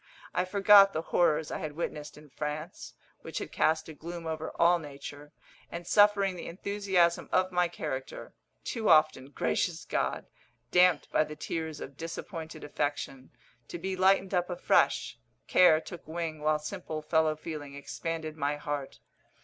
I forgot the horrors I had witnessed in France, which had cast a gloom over all nature, and suffering the enthusiasm of my character too often, gracious God! damped by the tears of disappointed affection to be lighted up afresh, care took wing while simple fellow feeling expanded my heart.